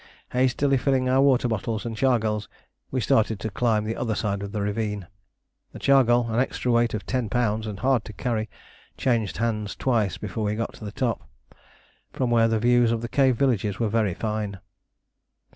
Hastily filling our water bottles and chargals, we started to climb the other side of the ravine. The chargal, an extra weight of ten pounds and hard to carry, changed hands twice before we got to the top, from where the view of the cave villages was very fine.